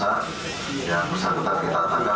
kita pukul delapan ratus di geniang mania di jakarta